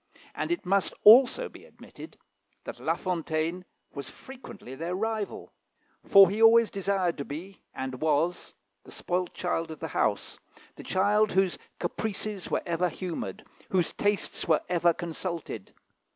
And it must also be admitted that La Fontaine was frequently their rival; for he always desired to be, and was, the spoilt child of the house, the child whose caprices were ever humoured, whose tastes were ever consulted.